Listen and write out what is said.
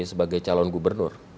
sebagai calon gubernur